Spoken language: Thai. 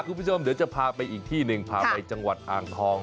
เนื่องจากงูเข้าไปกินกบและฉกเฟ็ดที่เลี้ยงเอาไว้จนตายก่อนนั่นเอง